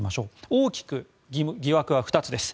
大きく疑惑は２つです。